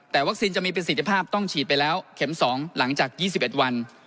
แต่วัคซีนจะมีประสิทธิภาพต้องฉีดไปแล้วเข็ม๒หลังจาก๒๑วัน